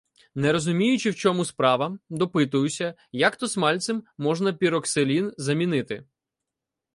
Не розуміючи, в чому справа, допитуюся, як то смальцем можна піроксилін замінити.